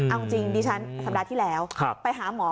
เอาจริงดิฉันสัปดาห์ที่แล้วไปหาหมอ